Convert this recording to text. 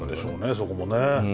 そこもね。